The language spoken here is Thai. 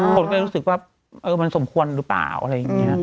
คนก็เลยรู้สึกว่ามันสมควรหรือเปล่าอะไรอย่างนี้นะ